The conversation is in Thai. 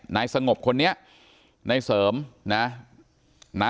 ไหนสงบคนนี้ในเสริมนะ